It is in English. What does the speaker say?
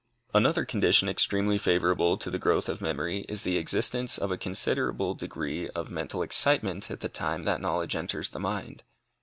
Another condition extremely favorable to the growth of memory, is the existence of a considerable degree of mental excitement at the time that knowledge enters the mind.